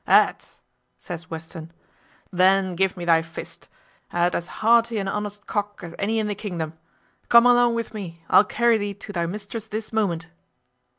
"A't," says Western, "then give me thy fist; a't as hearty an honest cock as any in the kingdom. Come along with me; I'll carry thee to thy mistress this moment."